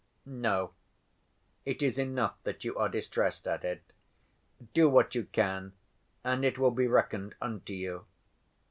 "No. It is enough that you are distressed at it. Do what you can, and it will be reckoned unto you.